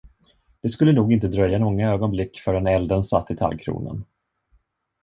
Det skulle nog inte dröja många ögonblick, förrän elden satt i tallkronan.